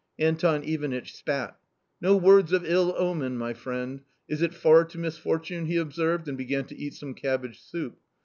Anton Ivanitch spat. "No words of ill omen, my friend; is it far to mis fortune ?" he observed, and began to eat some cabbage soup.